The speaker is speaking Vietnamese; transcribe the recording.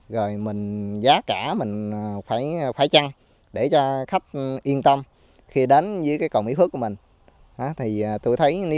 rồi mình giá cả mình phải chăng để cho khách yên tâm khi đến với cái cầu mỹ phước của mình